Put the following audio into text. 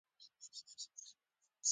نینې د جوارو دانې دي